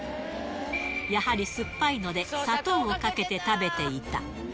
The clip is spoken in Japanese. やはり酸っぱいので、砂糖をかけて食べていた。